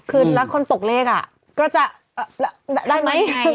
คือแล้วคนตกเลขก็จะได้ไหม